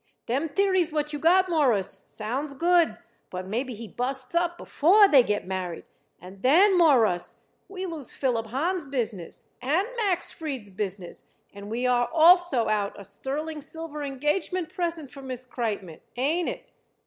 "Them theories what you got, Mawruss, sounds good, but maybe he busts up before they get married, and then, Mawruss, we lose Philip Hahn's business and Max Fried's business, and we are also out a sterling silver engagement present for Miss Kreitmann. Ain't it?"